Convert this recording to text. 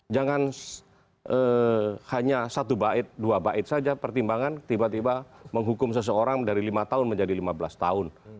jangan hanya satu bait dua bait saja pertimbangan tiba tiba menghukum seseorang dari lima tahun menjadi lima belas tahun